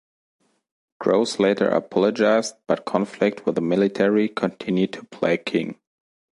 Grose later apologised, but conflict with the military continued to plague King.